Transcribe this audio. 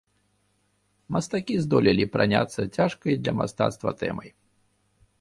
Мастакі здолелі праняцца цяжкай для мастацтва тэмай.